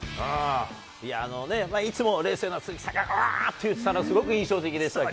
いつも冷静な鈴木さんがワ！って言ったのがすごく印象的でした。